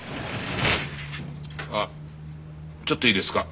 あっちょっといいですか？